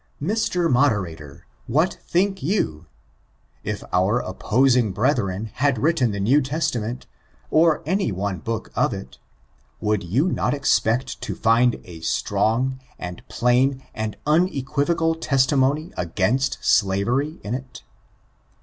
Mr. Moderator, what think you? If our opposing brethren had written the New Testament, or any one book of it, would you not expect to find a strong, and plain, and unequivocal testimony against slavery, in it?